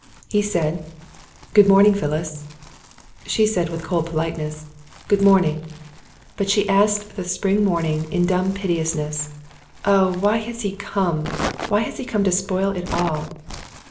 He said: "Good morning, Phyllis." She said, with cold politeness: "Good morning." But she asked the spring morning in dumb piteousness, "Oh, why has he come? Why has he come to spoil it all?"